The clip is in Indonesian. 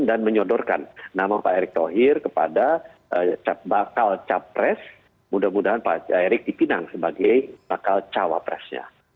dan menyodorkan nama pak erick thohir kepada bakal capres mudah mudahan pak erick dipinang sebagai bakal cawapresnya